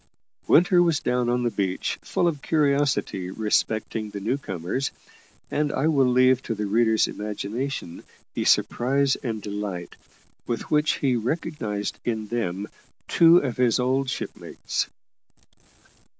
Winter was down on the beach full of curiosity respecting the new comers, and I will leave to the reader's imagination the surprise and delight with which he recognised in them two of his old shipmates.